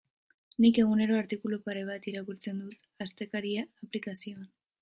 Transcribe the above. Nik egunero artikulu pare bat irakurtzen dut Astekaria aplikazioan.